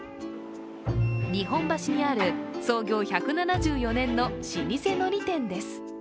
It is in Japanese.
日本橋にある創業１７４年の老舗のり店です。